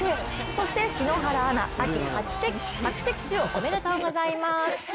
そして篠原アナ、秋初的中おめでとうございます！